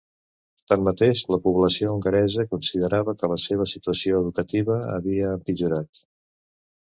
Tanmateix, la població hongaresa considerava que la seva situació educativa havia empitjorat.